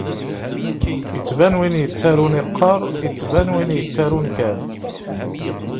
Ittban win yettarun iqqar, ittban win ittarun kan.